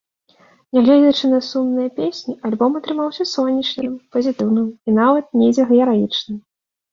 Нягледзячы на сумныя песні, альбом атрымаўся сонечным, пазітыўным і нават недзе гераічным.